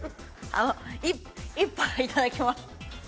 一杯いただきます。